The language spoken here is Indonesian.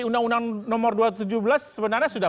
undang undang nomor dua ratus tujuh belas sebenarnya sudah